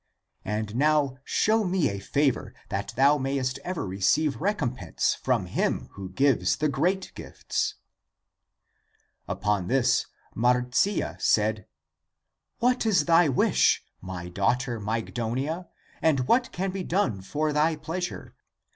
And now show me a favor, that thou may est ever receive recompense from him who gives the great gifts." Upon this Marcia said, " What is thy wish, my daughter Mygdonia, and what can be done for thy pleasure?